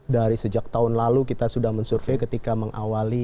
dari sejak tahun lalu kita sudah mensurvey ketika mengawali